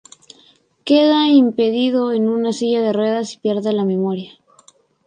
Queda impedido en una silla de ruedas y pierde la memoria.